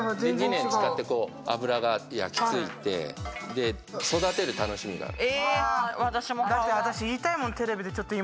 ２年使って油が焼きついて育てる楽しみがある。